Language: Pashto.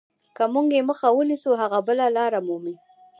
که موږ یې مخه ونیسو هغه بله لار مومي.